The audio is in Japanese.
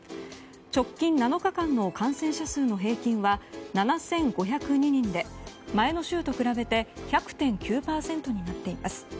直近７日間の感染者数の平均は７５０２人で前の週と比べて１００．９％になっています。